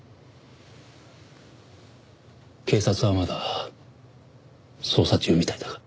警察はまだ捜査中みたいだが。